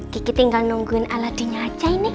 kiki tinggal nungguin aladinya aja ini